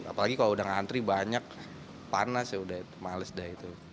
apalagi kalau udah ngantri banyak panas ya udah males deh itu